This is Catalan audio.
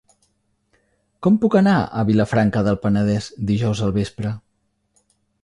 Com puc anar a Vilafranca del Penedès dijous al vespre?